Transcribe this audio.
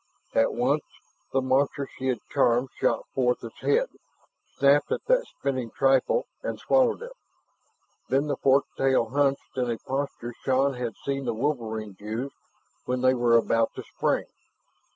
At once the monster she had charmed shot forth its head, snapped at that spinning trifle and swallowed it. Then the fork tail hunched in a posture Shann had seen the wolverines use when they were about to spring.